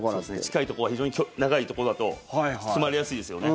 近いところは非常に長いバットだと詰まりやすいですよね。